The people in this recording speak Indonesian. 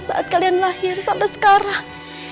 saat kalian lahir sampai sekarang